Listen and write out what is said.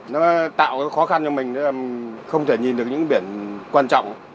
nó tạo cái khó khăn cho mình không thể nhìn được những biển quan trọng